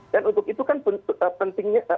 dan untuk itu kan pentingnya